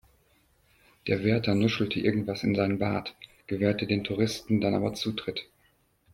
Der Wärter nuschelte irgendwas in seinen Bart, gewährte den Touristen dann aber Zutritt.